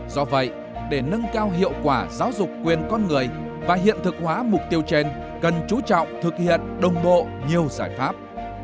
do vậy để nâng cao hiệu quả giáo dục quyền con người và hiện thực hóa mục tiêu trên cần chú trọng thực hiện đồng bộ nhiều giải pháp